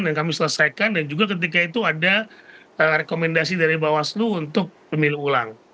dan kami selesaikan dan juga ketika itu ada rekomendasi dari bawaslu untuk pemilih ulang